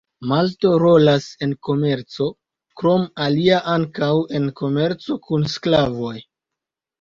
Malto rolas en komerco, krom alia ankaŭ en komerco kun sklavoj.